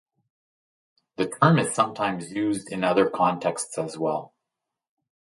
The term is sometimes used in other contexts as well.